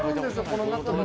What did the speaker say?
この中の。